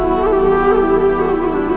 ibu bunda disini nak